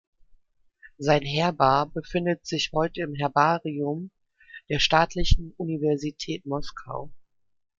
Sein Herbar befindet sich heute im Herbarium der Staatlichen Universität Moskau.